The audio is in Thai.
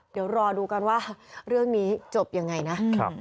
เดี๋ยวรอดูกันว่าเรื่องนี้จบยังไงนะ